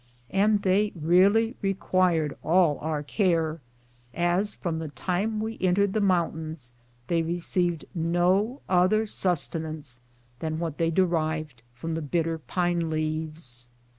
And they really required all our care, as, from the time we entered the mountains, they received no other sus tenance than what they derived from the bitter pine leaves.